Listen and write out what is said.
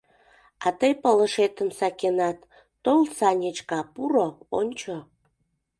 А тый пылышетым сакенат: тол, Санечка, пуро, ончо...